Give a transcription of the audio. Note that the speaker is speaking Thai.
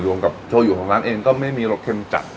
รวมกับโชยูของร้านเองก็ไม่มีรสเค็มจัด